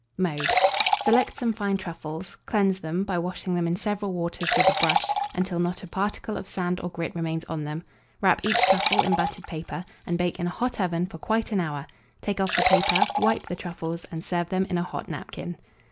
Mode. Select some fine truffles; cleanse them, by washing them in several waters with a brush, until not a particle of sand or grit remains on them; wrap each truffle in buttered paper, and bake in a hot oven for quite an hour; take off the paper, wipe the truffles, and serve them in a hot napkin.